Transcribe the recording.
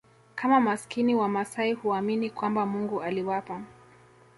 kama maskini Wamasai huamini kwamba Mungu aliwapa